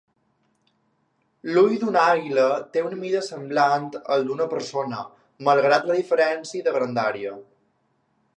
L'ull d'una àguila té una mida semblant al d'una persona, malgrat la diferència de grandària.